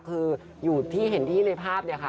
คืออยู่ที่เห็นที่ในภาพเนี่ยค่ะ